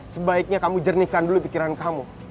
sebaiknya kamu jernihkan dulu pikiran kamu